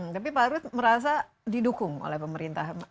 tapi pak rud merasa didukung oleh pemerintah